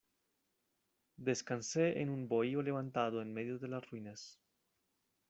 descansé en un bohío levantado en medio de las ruinas